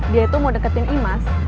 dia itu mau deketin imas